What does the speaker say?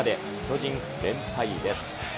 巨人連敗です。